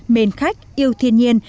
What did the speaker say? mền khách yêu thiên nhiên